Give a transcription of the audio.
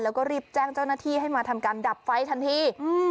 แล้วก็รีบแจ้งเจ้าหน้าที่ให้มาทำการดับไฟทันที